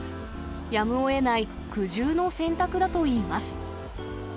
やむをえない苦渋の選択だといいます。